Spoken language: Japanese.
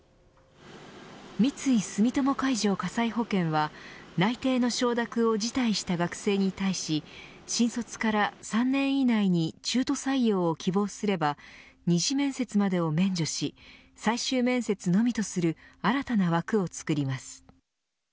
三井住友海上火災保険は内定の承諾を辞退した学生に対し新卒から３年以内に中途採用を希望すれば２次面接までを免除し最終面接のみとする新たな枠を作ります。